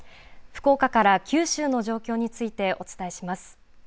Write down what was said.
福岡から九州の状況についてお伝えします。